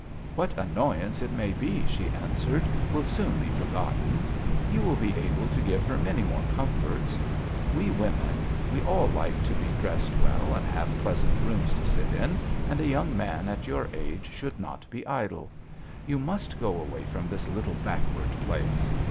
" What annoyance it may be," she answered, "will soon be forgotten. You will be able to give her many more comforts. We women we all like to be dressed well and have pleasant rooms to sit in, and a young man at your age should not be idle. You must go away from this little backward place.